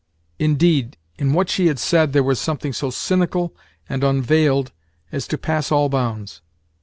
Indeed, in what she had said there was something so cynical and unveiled as to pass all bounds.